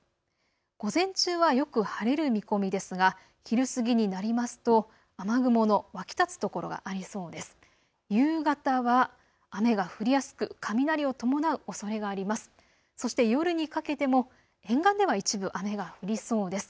午前中はよく晴れる見込みですが昼過ぎになりますと雨雲の湧き立つところがありそうです。